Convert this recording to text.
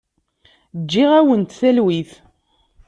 Ǧǧiɣ-awent talwit.